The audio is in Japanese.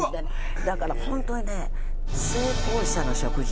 だから本当にね成功者の食事。